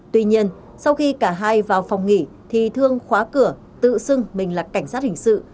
tuy nhiên sau khi cả hai vào phòng nghỉ thì thương khóa cửa tự xưng mình là cảnh sát hình sự